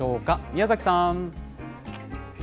宮崎さん。